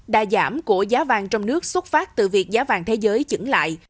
đà giảm của giá vàng trong nước xuất phát từ việc giá vàng thế giới chứng lại